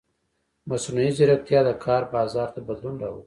مصنوعي ځیرکتیا د کار بازار ته بدلون راولي.